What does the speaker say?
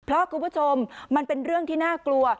เพราะคุณผู้ชมมันเป็นเรื่องที่น่ากลัว